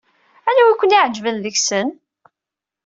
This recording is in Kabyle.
Anwa ay ken-iɛejben deg-sen?